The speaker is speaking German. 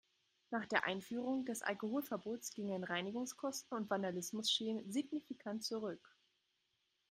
Nach der Einführung des Alkoholverbots gingen Reinigungskosten und Vandalismusschäden signifikant zurück.